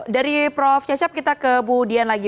dari prof cecep kita ke bu dian lagi